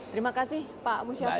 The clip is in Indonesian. terima kasih pak musyafirin atas perhatian